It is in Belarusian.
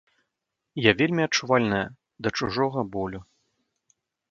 Я вельмі адчувальная да чужога болю.